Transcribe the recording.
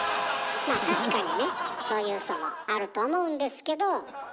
まあ確かにねそういうウソもあると思うんですけど。